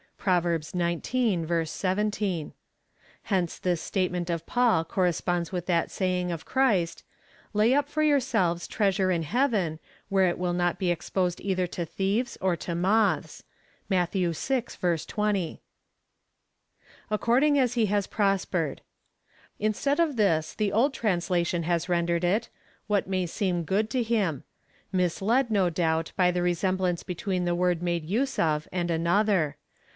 (Pro v. xix. 1 7.) Hence this statement of Paul corresponds with that saying of Christ — Lay up for yourselves treasure in heaven, where it will not he exposed either to thieves, or to moths. (Matt. vi. 20.) According as he has 2^^^ospered. Instead of this the old translation has rendered it, What may seem good to him, mis led, no doubt, by the resemblance between the word made use of, and another.